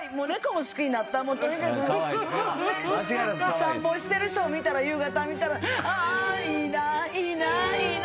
散歩してる人を夕方見たらあいいな。